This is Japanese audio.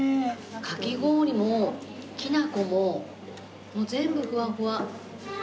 かき氷もきな粉ももう全部フワフワ。